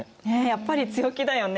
やっぱり強気だよね。